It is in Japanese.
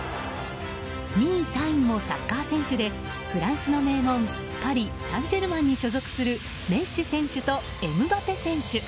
２位、３位もサッカー選手でフランスの名門パリ・サンジェルマンに所属するメッシ選手とエムバペ選手。